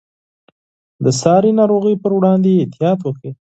د ساري ناروغیو پر وړاندې احتیاط وکړئ.